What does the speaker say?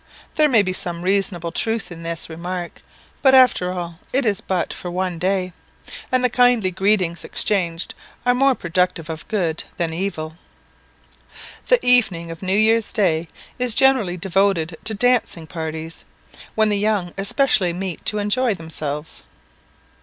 There may be some reasonable truth in this remark; but after all it is but for one day, and the kindly greetings exchanged are more productive of good than evil. The evening of New Year's day is generally devoted to dancing parties, when the young especially meet to enjoy themselves.